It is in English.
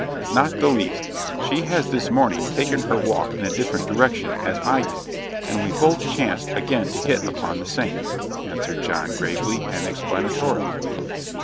"Not the least. She has this morning taken her walk in a different direction, as I did; and we both chanced again to hit upon the same," answered John, gravely and explanatorily.